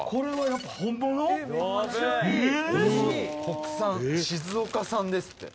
「国産静岡産ですって」